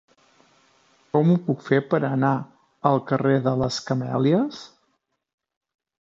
Com ho puc fer per anar al carrer de les Camèlies?